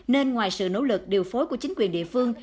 nên ngoài sự nỗ lực điều phối của chính quyền địa phương